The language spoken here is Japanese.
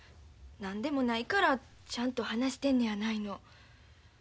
何でもないからちゃんと話してんのやないの。